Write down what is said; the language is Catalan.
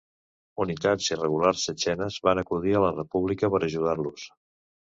Unitats irregulars txetxenes van acudir a la república per ajudar-los.